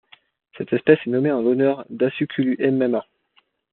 Cette espèce est nommée en l'honneur d'Asukulu M’Mema.